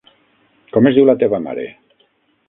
Com es diu la teva mare?